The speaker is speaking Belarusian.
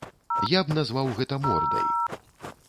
Я б назваў гэта мордай.